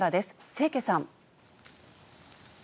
清家さん。